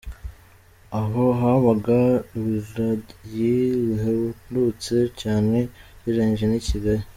Aho habaga ibirayi bihendutse cyane ugereranyije n’i Kigali.